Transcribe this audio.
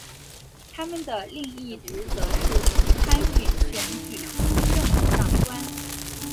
他们的另一职责是参与选举行政长官。